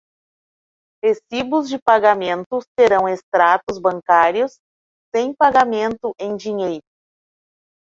Recibos de pagamento serão extratos bancários sem pagamento em dinheiro.